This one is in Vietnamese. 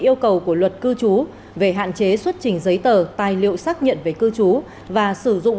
yêu cầu của luật cư trú về hạn chế xuất trình giấy tờ tài liệu xác nhận về cư trú và sử dụng